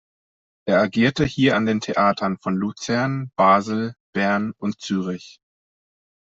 Er agierte hier an den Theatern von Luzern, Basel, Bern und Zürich.